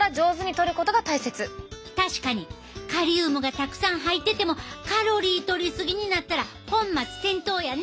カリウムがたくさん入っててもカロリーとり過ぎになったら本末転倒やね。